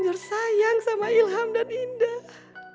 bukankah ini vielah qibat tiga puluh sembilan